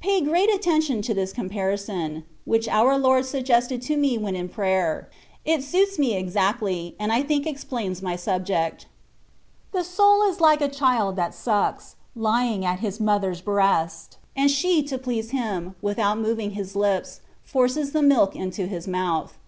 Pay great attention to this comparison, which our Lord suggested to me when in prayer : it suits me exactly, and I think explains my sub ject. The soul is like a child that sucks, lying at his mother's breast ; and she to please him, with out moving his lips, forces the milk into his mouth.